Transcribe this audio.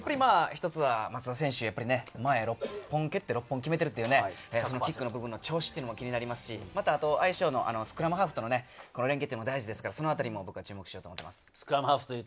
一つは松田選手、６本蹴って６本決めてるというキックの調子も気になりますし、スクラムハーフとの相性も大事ですから、そのあたりも注目しようと思っています。